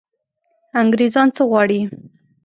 انګرېزان څه غواړي.